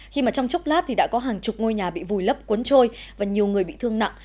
khi mà trong chốc lát thì đã có hàng chục ngôi nhà bị vùi lấp cuốn trôi và nhiều người bị thương nặng